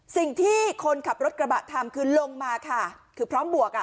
สิ่งที่คนขับรถกระบะทำคือลงมาค่ะคือพร้อมบวกอ่ะ